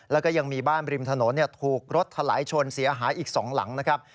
แล้วก็ยังมีบ้านริมถนนถูกรถถลายชนเสียหายอีก๒หลังนะครับ